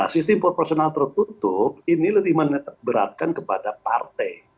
sistem proporsional tertutup ini lebih meneratkan kepada partai